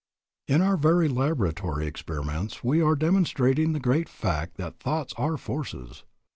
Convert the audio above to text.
In our very laboratory experiments we are demonstrating the great fact that thoughts are forces.